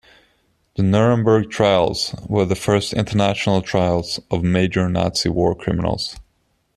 The Nuremberg Trials were the first international trials of major Nazi war criminals.